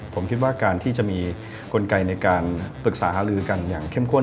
ผมคิดว่าการที่จะมีกลไกในการปรึกษาหาลือกันอย่างเข้มข้น